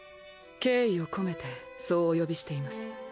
敬意を込めてそうお呼びしています。